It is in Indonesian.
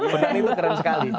bertani itu keren sekali